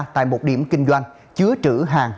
tại một điểm kinh doanh chứa trữ hàng